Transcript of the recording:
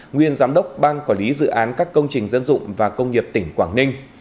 nguyên giám đốc ban quản lý dự án các công trình dân dụng và công nghiệp tỉnh quảng ninh